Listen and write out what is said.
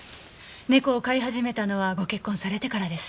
猫を飼い始めたのはご結婚されてからです。